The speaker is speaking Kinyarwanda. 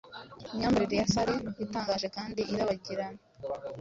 Imyambarire ya salle itangaje kandi irabagirana